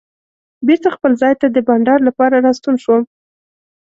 بېرته خپل ځای ته د بانډار لپاره راستون شوم.